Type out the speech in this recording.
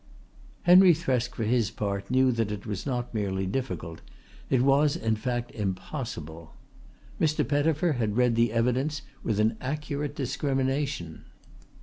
Henry Thresk for his part knew that it was not merely difficult, it was, in fact, impossible. Mr. Pettifer had read the evidence with an accurate discrimination.